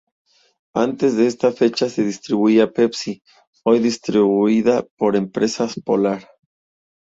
Antes de esta fecha se distribuía Pepsi, hoy distribuida por Empresas Polar.